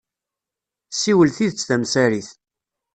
Ssiwel tidet tamsarit.